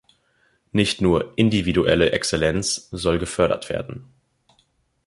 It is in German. Nicht nur individuelle Exzellenz soll gefördert werden.